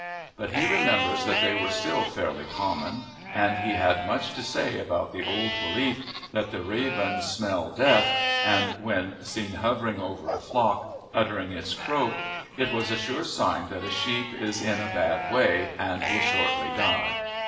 But he remembers that they were still fairly common, and he had much to say about the old belief that the raven "smells death," and when seen hovering over a flock, uttering its croak, it is a sure sign that a sheep is in a bad way and will shortly die.